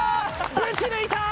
ぶち抜いた！